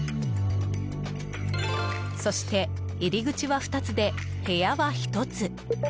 そして、入り口は２つで部屋は１つ。